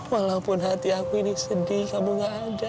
walaupun hati aku ini sedih kamu gak ada